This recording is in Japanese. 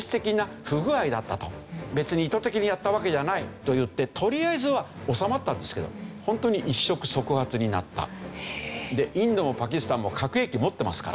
別に意図的にやったわけじゃないといってとりあえずは収まったんですけど本当にでインドもパキスタンも核兵器持ってますからね。